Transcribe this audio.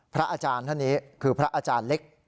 พระอาจารย์ท่านนี้คือพระอาจารย์เล็ก